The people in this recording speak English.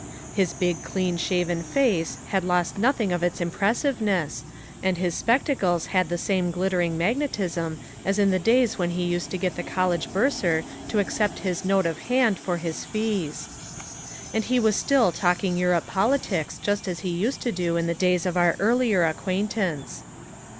His big clean shaven face had lost nothing of its impressiveness, and his spectacles had the same glittering magnetism as in the days when he used to get the college bursar to accept his note of hand for his fees. And he was still talking European politics just as he used to in the days of our earlier acquaintance.